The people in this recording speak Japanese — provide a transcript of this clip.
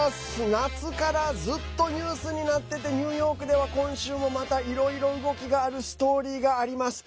夏からずっとニュースになっててニューヨークでは今週もまたいろいろ動きがあるストーリーがあります。